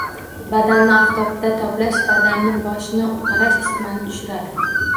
Badanni oftobda toblash, badanni, boshni uqalash isitmani tushiradi.